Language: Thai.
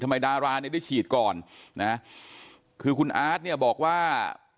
ทำไมดาราได้ฉีดก่อนคือคุณอาร์ดเนี่ยบอกว่า